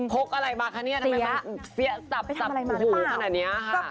เป็นพกอะไรมาคะเนี่ยทำไมมันเสียจับหูขนาดนี้